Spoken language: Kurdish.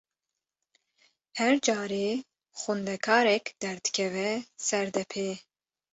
Her carê xwendekarek derdikeve ser depê.